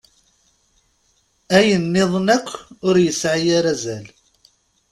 Ayen nniḍen akk ur yesɛi ara azal.